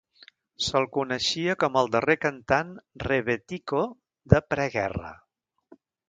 Se'l coneixia com el darrer cantant "rebetiko" de preguerra.